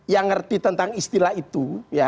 yang ngerti tentang istilah itu